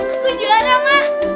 aku juara mak